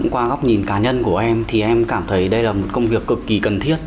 qua góc nhìn cá nhân của em thì em cảm thấy đây là một công việc cực kỳ cần thiết